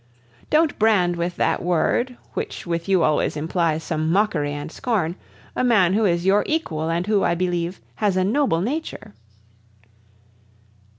"Don't brand with that word, which with you always implies some mockery and scorn, a man who is your equal, and who, I believe, has a noble nature."